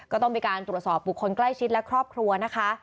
ก็ต้องมีการตรวจสอบบุคคลใกล้ชิดและครอบครัวนะคะ